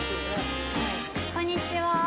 こんにちは。